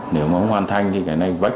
nếu mà không hoàn thành thì ngày nay vách